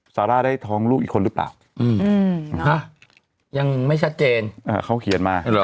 ซาร่าได้ท้องลูกอีกคนหรือเปล่ายังไม่ชัดเจนเขาเขียนมา